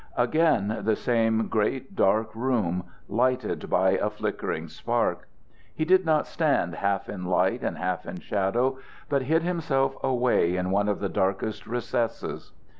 Again the same great dark room, lighted by a flickering spark. He did not stand half in light and half in shadow, but hid himself away in one of the darkest recesses.